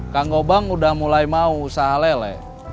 kang gobang udah mulai mau usaha lele